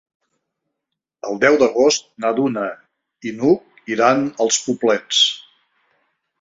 El deu d'agost na Duna i n'Hug iran als Poblets.